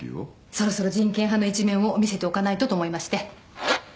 そろそろ人権派の一面を見せておかないとと思いまして。